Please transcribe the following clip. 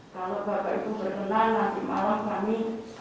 kalau bapak ibu berkenan nanti malam kami